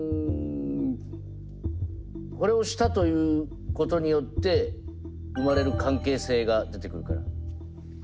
これをしたということによって生まれる関係性が出てくるから。